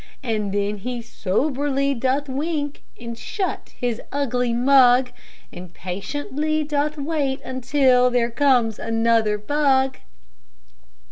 "And then he soberly doth wink, And shut his ugly mug, And patiently doth wait until There comes another bug."